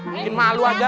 mungkin malu aja